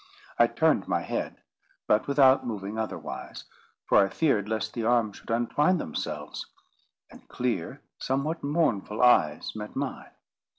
I turned my head, but without moving otherwise, for I feared lest the arms should untwine themselves; and clear, somewhat mournful eyes met mine.